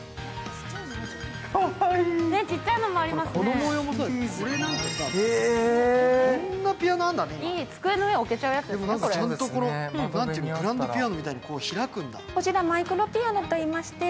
ちっちゃいのもありますね。